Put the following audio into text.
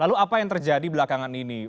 lalu apa yang terjadi belakangan ini